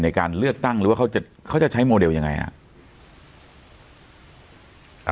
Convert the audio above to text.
ในการเลือกตั้งหรือว่าเขาจะใช้โมเดลยังไงครับ